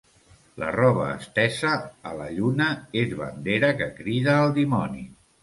La roba estesa a la lluna és bandera que crida al dimoni.